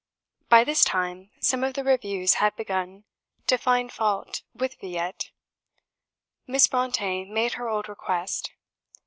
By this time some of the Reviews had began to find fault with "Villette." Miss Brontë made her old request.